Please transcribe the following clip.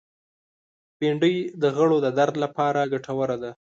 بېنډۍ د غړو د درد لپاره ګټوره ده